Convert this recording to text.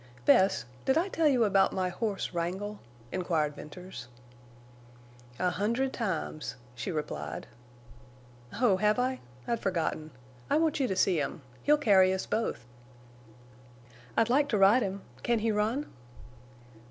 "Bess, did I tell you about my horse Wrangle?" inquired Venters. "A hundred times," she replied. "Oh, have I? I'd forgotten. I want you to see him. He'll carry us both." "I'd like to ride him. Can he run?"